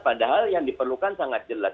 padahal yang diperlukan sangat jelas